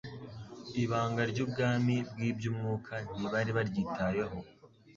Ibanga ry'ubwami bw'iby'umwuka, ntibari baryitayeho.